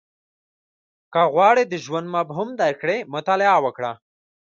• که غواړې د ژوند مفهوم درک کړې، مطالعه وکړه.